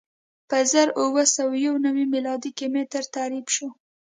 په زر اووه سوه یو نوې میلادي کې متر تعریف شو.